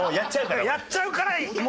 やっちゃうから俺。